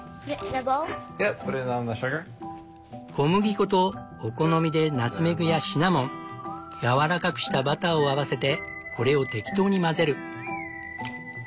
小麦粉とお好みでナツメグやシナモンやわらかくしたバターを合わせてこれを適当に混ぜる。